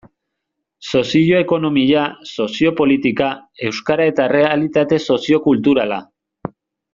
Sozio-ekonomia, sozio-politika, euskara eta errealitate sozio-kulturala.